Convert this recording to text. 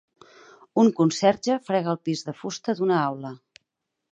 Un conserge frega el pis de fusta d'una aula.